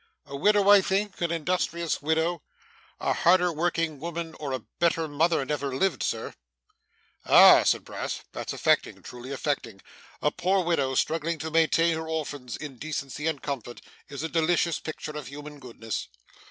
'A widow, I think? an industrious widow?' 'A harder working woman or a better mother never lived, Sir.' 'Ah!' cried Brass. 'That's affecting, truly affecting. A poor widow struggling to maintain her orphans in decency and comfort, is a delicious picture of human goodness.